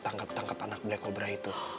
tangkep tangkep anak black cobra itu